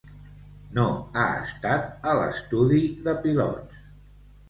No ha estat a l'estudi de pilots.